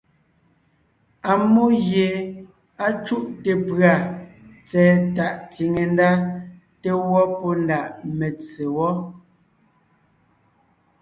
Ammó gie á cúte pʉ̀a tsɛ̀ɛ tàʼ tsìne ndá te gẅɔ́ pɔ́ ndaʼ metse wɔ́.